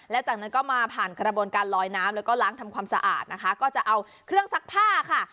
และจากนั้นก็มาผ่านกระบวนการลอยน้ำแล้วก็ล้างทำความสะอาดนะคะก็จะเอาเครื่องซักผ้าค่ะ